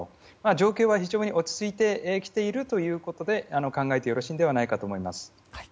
状況は非常に落ち着いてきていると考えてよろしいのではないかと思います。